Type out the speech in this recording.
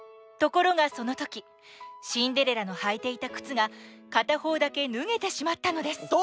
ところがそのときシンデレラのはいていたくつがかたほうだけぬげてしまったのです